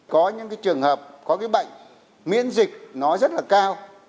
có những cái trường hợp có cái bệnh miễn dịch nó rất là cao